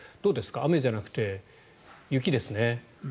雨じゃなくて雪ですね。